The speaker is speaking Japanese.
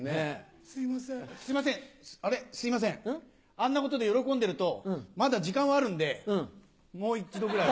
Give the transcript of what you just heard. あんなことで喜んでるとまだ時間はあるんでもう一度ぐらい。